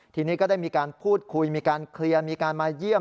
ทีนี้ก็ได้มีการพูดคุยมีการเคลียร์มีการมาเยี่ยม